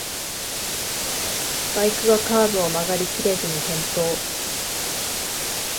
バイクがカーブを曲がりきれずに転倒